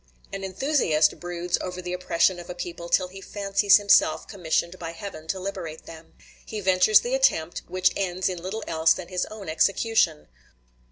An enthusiast broods over the oppression of a people till he fancies himself commissioned by Heaven to liberate them. He ventures the attempt, which ends in little else than his own execution.